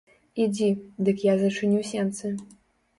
Ідзі, дык я зачыню сенцы.